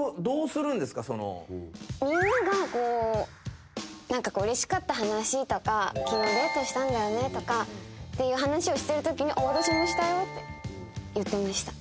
みんながうれしかった話とか昨日デートしたんだよねとかって話をしてるときに私もしたよって言ってました。